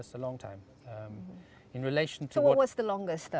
jadi ini membutuhkan waktu yang lama